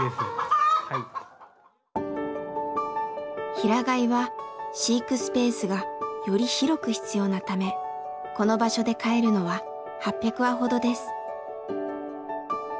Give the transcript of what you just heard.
平飼いは飼育スペースがより広く必要なためこの場所で飼えるのは８００羽ほどです。